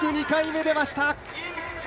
２回目で出ました！